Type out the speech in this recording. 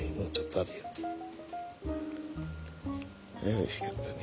あおいしかったね。